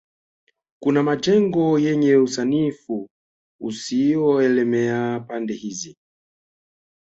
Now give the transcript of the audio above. Kuna majengo yenye usanifu usioelemea pande hizi